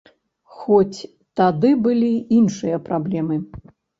Хоць тады былі іншыя праблемы.